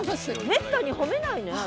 めったに褒めないのよ